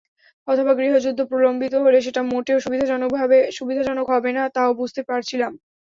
অথবা গৃহযুদ্ধ প্রলম্বিত হলে সেটা মোটেও সুবিধাজনক হবে না, তা-ও বুঝতে পারছিলাম।